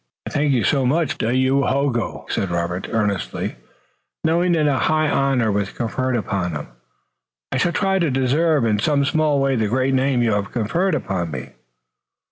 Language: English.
"I thank you much, Dahoyogo," said Robert, earnestly, knowing that a high honor was conferred upon him. "I shall try to deserve in some small way the great name you have conferred upon me."